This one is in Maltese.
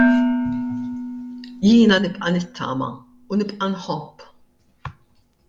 Jiena nibqa' nittama u nibqa' nħobb!